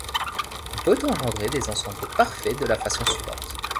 On peut engendrer des ensembles parfaits de la façon suivante.